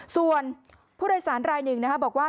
ส่วนผู้โดยสารรายหนึ่งบอกว่า